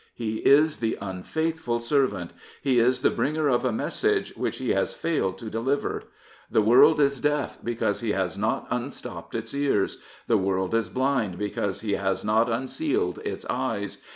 He is the unfaithful servant. He is the bringer of a message which he has failed to deliver. The world is deaf because he has not unstopped its ears ; the world is blind because he has not unsealed its eyes.